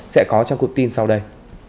sẽ có trong cuộc tin sau đây